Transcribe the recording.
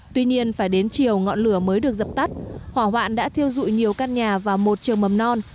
tuy nhiên phải đến chiều ngọn lửa mới được dập tắt hỏa hoạn đã thiêu dụi nhiều căn nhà và một trường mầm non